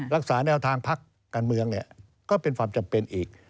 รักษาแนวทางพักการเมืองก็เป็นความจำเป็นอีก